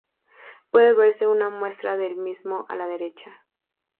Puede verse una muestra del mismo a la derecha.